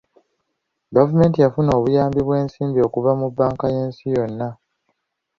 Gavumenti yafuna obuyambi bw'ensimbi okuva mu bbanka y'ensi yonna.